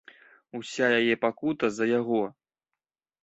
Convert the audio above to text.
Уся яе пакута за яго!